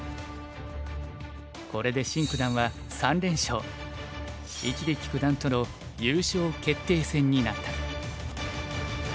これでシン九段は３連勝一力九段との優勝決定戦になった。